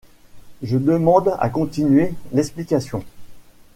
Je demande à continuer l’explication.